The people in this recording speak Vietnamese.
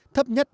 thấp nhiều hơn